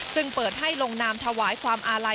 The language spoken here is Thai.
ซึ่งเปิดให้ลงนามถวายความอาลัย